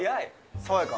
爽やか？